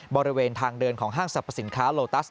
บริเวณทางเดินของห้างสรรพสินค้าโลตัส